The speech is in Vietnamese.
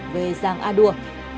về giàng a đua